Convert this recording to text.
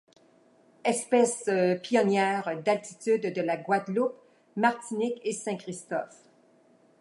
Espèce pionnière d'altitude de la Guadeloupe, Martinique et Saint-Christophe.